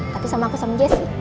tapi sama aku sama jessi